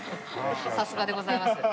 さすがでございます。